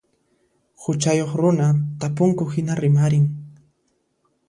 Huchayuq runa tapunku hina rimarin.